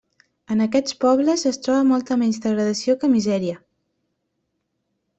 En aquests pobles, es troba molta menys degradació que misèria.